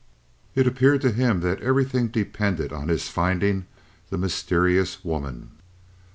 It appeared to him that everything depended on his finding the mysterious woman.